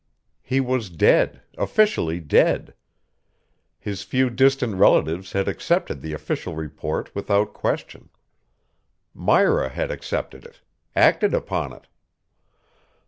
He was dead, officially dead. His few distant relatives had accepted the official report without question. Myra had accepted it, acted upon it.